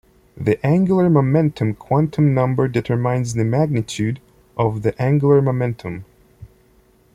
The angular momentum quantum number determines the magnitude of the angular momentum.